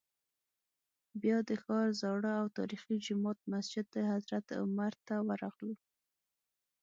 بیا د ښار زاړه او تاریخي جومات مسجد حضرت عمر ته ورغلو.